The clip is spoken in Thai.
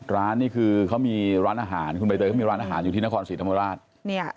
ร้านนี่คือเขามีร้านอาหารคุณใบเตยเขามีร้านอาหารอยู่ที่นครศรีธรรมราช